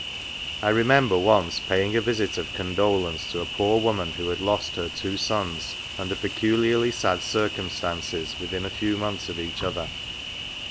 I remember once paying a visit of condolence to a poor woman who had lost her two sons under peculiarly sad circumstances within a few months of each other.